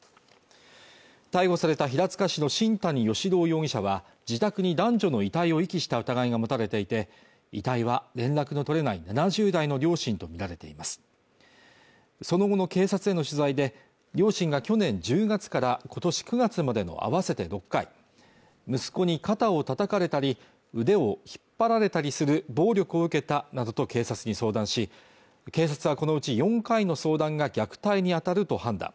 逮捕された平塚市の新谷嘉朗容疑者は自宅に男女の遺体を遺棄した疑いが持たれていて遺体は連絡の取れない７０代の両親とみられていますその後の警察への取材で両親が去年１０月から今年９月までの合わせて６回息子に肩をたたかれたり腕を引っ張られたりする暴力を受けたなどと警察に相談し警察はこのうち４回の相談が虐待に当たると判断